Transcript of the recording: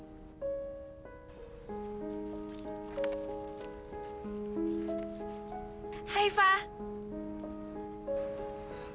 iya hari pertama di